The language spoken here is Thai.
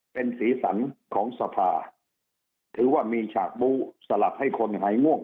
เป็นสีสันของสภาถือว่ามีฉากบู้สลับให้คนหายง่วง